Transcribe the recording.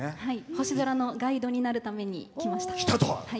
星空のガイドになるために来ました。